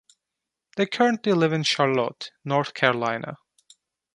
They currently live in Charlotte, North Carolina.